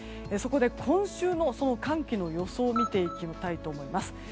そこで今週の寒気の予想を見ていきたいと思います。